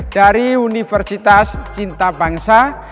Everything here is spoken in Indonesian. dari universitas cinta bangsa